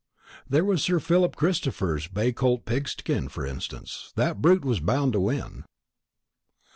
There was Sir Philip Christopher's bay colt Pigskin, for instance; that brute was bound to win."